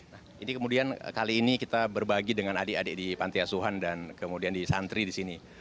nah ini kemudian kali ini kita berbagi dengan adik adik di panti asuhan dan kemudian di santri di sini